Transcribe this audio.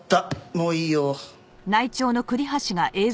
もういいよ。